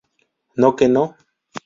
No que no.